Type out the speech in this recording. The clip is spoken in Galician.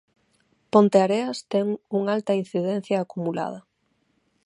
Ponteareas ten un alta incidencia acumulada.